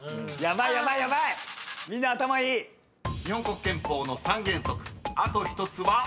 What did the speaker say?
［日本国憲法の三原則あと１つは］